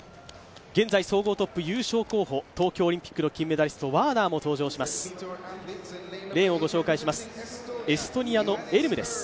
現在総合トップ、東京オリンピックの金メダリスト、ワーナーも登場します。